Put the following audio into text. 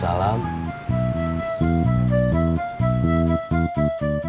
sampai jumpa lagi